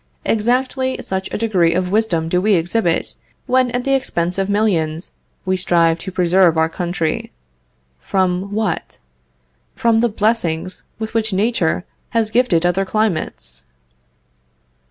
Exactly such a degree of wisdom do we exhibit, when at the expense of millions, we strive to preserve our country.... From what? From the blessings with which Nature has gifted other climates.